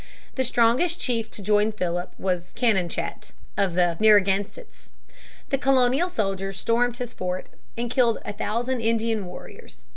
The strongest chief to join Philip was Canonchet of the Narragansetts. The colonial soldiers stormed his fort and killed a thousand Indian warriors.